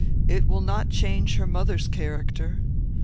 It will not change her mother's character.